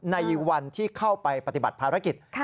ในวันที่เข้าไปปฏิบัติภารกิจ